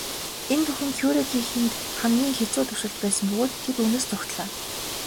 Энэ бүхэн Кюрегийнхэнд хамгийн хэцүү туршилт байсан бөгөөд тэд үүнээс зугтлаа.